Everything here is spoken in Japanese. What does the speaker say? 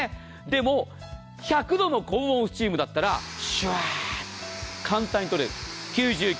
でも１００度の高温スチームだったら簡単に取れる。